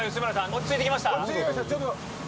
落ち着いてきました。